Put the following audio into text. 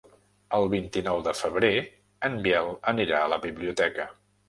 El vint-i-nou de febrer en Biel anirà a la biblioteca.